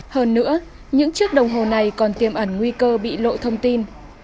hơn nữa những chiếc đồng hồ này còn tiêm ẩn nguy cơ bị lộ thông tin